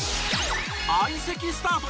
相席スタート